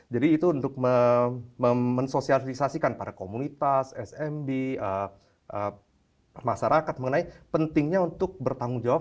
jadi itu untuk mensosialisasikan para komunitas smb masyarakat mengenai pentingnya untuk bertanggung jawab